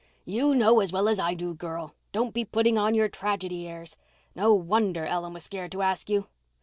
"You know as well as I do, girl. Don't be putting on your tragedy airs. No wonder Ellen was scared to ask you.